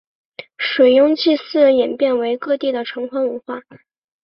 水庸祭祀演变为各地的城隍文化。